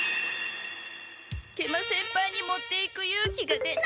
食満先輩に持っていくゆうきが出ない！